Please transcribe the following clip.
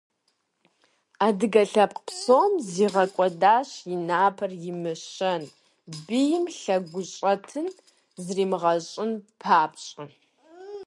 Адыгэ лъэпкъ псом зигъэкӀуэдащ и напэр имыщэн, бийм лъэгущӀэтын зримыгъэщӀын папщӀэ.